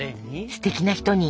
すてきな人に。